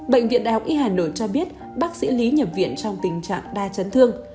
bệnh viện đại học y hà nội cho biết bác sĩ lý nhập viện trong tình trạng đa chấn thương